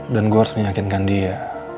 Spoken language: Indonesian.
dan gue harus meyakinkan dia